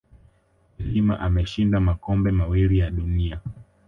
de Lima ameshinda makombe mawili ya dunia